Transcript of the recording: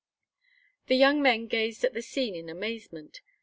The young men gazed at the scene in amazement.